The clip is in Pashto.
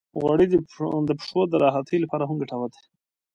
غوړې د پښو د راحتۍ لپاره هم ګټورې دي.